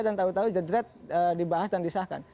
dan tau tau jedret dibahas dan disahkan